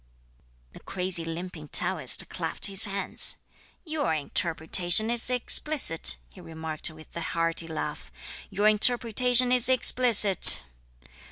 The crazy limping Taoist clapped his hands. "Your interpretation is explicit," he remarked with a hearty laugh, "your interpretation is explicit!"